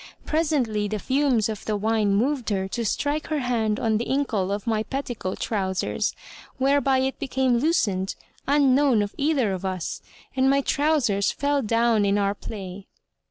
Presently, the fumes of the wine moved her to strike her hand on the inkle of my petticoat trousers, whereby it became loosed, unknown of either of us, and my trousers fell down in our play.